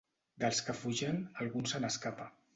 Dels que fugen, algun se n'escapa.